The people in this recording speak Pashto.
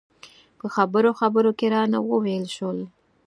په خبرو خبرو کې رانه وویل شول.